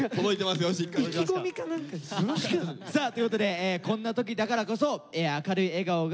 さあということでこんな時だからこそ明るい笑顔が未来を照らすと。